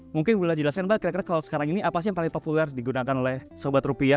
mungkin boleh dijelaskan mbak kira kira kalau sekarang ini apa sih yang paling populer digunakan oleh sobat rupiah